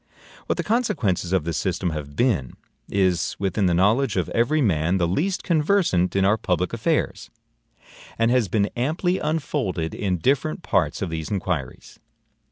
What the consequences of this system have been, is within the knowledge of every man the least conversant in our public affairs, and has been amply unfolded in different parts of these inquiries.